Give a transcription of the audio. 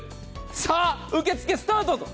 さあ、受け付けスタート。